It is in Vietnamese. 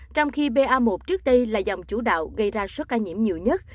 trong khi ba một trước đây là dòng chủ đạo gây ra số ca nhiễm nhiều nhất